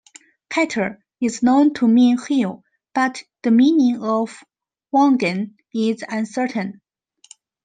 "Katta" is known to mean "hill", but the meaning of "wongan" is uncertain.